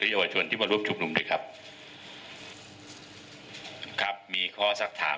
เยาวชนที่มาร่วมชุมนุมด้วยครับครับมีข้อสักถาม